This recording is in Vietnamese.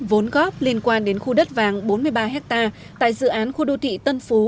vốn góp liên quan đến khu đất vàng bốn mươi ba hectare tại dự án khu đô thị tân phú